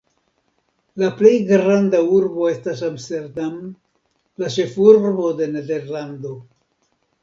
La plej granda urbo estas Amsterdam, la ĉefurbo de Nederlando.